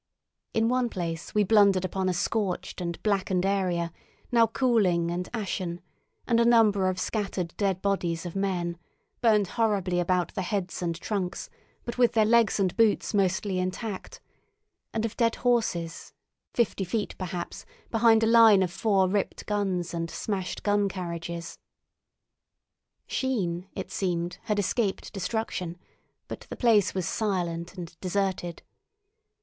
In one place we blundered upon a scorched and blackened area, now cooling and ashen, and a number of scattered dead bodies of men, burned horribly about the heads and trunks but with their legs and boots mostly intact; and of dead horses, fifty feet, perhaps, behind a line of four ripped guns and smashed gun carriages. Sheen, it seemed, had escaped destruction, but the place was silent and deserted.